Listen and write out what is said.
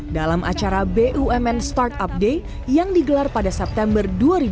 dalam acara bumn startup day yang digelar pada september dua ribu dua puluh